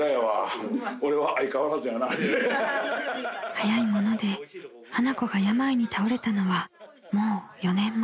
［早いもので花子が病に倒れたのはもう４年前］